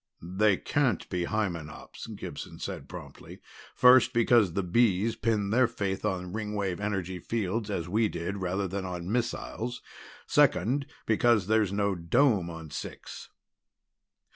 "They can't be Hymenops," Gibson said promptly. "First, because the Bees pinned their faith on Ringwave energy fields, as we did, rather than on missiles. Second, because there's no dome on Six."